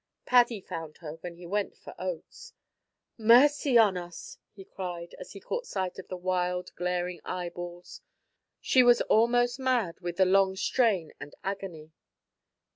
Paddy found her when he went for oats. "Mercy on us!" he cried, as he caught sight of the wild, glaring eyeballs. She was almost mad with the long strain and agony.